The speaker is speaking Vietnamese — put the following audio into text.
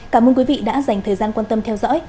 cảm ơn quý vị đã dành thời gian quan tâm theo dõi